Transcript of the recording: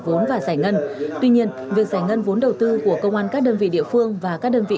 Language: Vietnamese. vốn và giải ngân tuy nhiên việc giải ngân vốn đầu tư của công an các đơn vị địa phương và các đơn vị